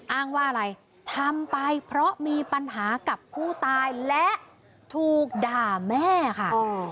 อ้างว่าอะไรทำไปเพราะมีปัญหากับผู้ตายและถูกด่าแม่ค่ะ